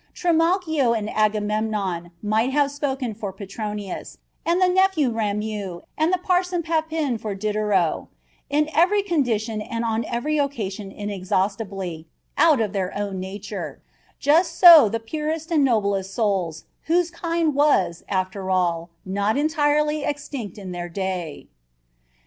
Trimalchio and Agamemnon might have spoken for Petronius, and the nephew Rameau and the parson Papin for Diderot, in every condition and on every occasion inexhaustibly, out of their own nature; just so the purest and noblest souls, whose kind was, after all, not entirely extinct in their day.